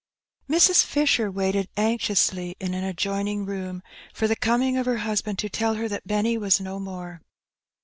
Mrs. Fisheb waited anxiously in an adjoining room for the coming of her husband to tell her that Benny was no more.